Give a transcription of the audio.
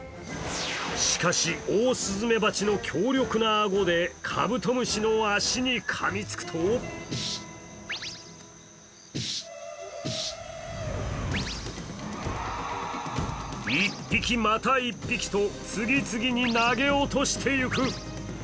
しかし、オオスズメバチの強力な顎でカブトムシの足にかみつくと１匹、また１匹と次々に投げ落としていく。